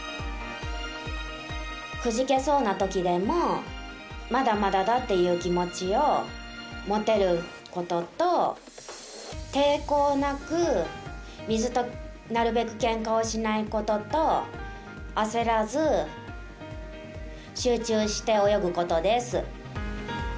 くじけそうなときでもまだまだだっていう気持ちを持てることと抵抗なく、水となるべくけんかをしないことと焦らず、集中して泳ぐことです。